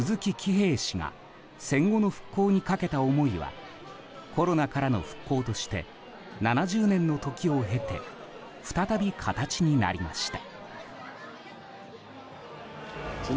鈴木喜兵衛氏が戦後の復興にかけた思いはコロナからの復興として７０年の時を経て再び形になりました。